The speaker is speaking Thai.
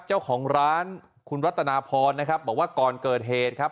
เจ้าของร้านคุณรัตนาพรนะครับบอกว่าก่อนเกิดเหตุครับ